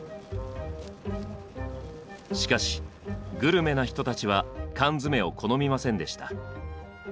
しかしグルメな人たちは缶詰を好みませんでした。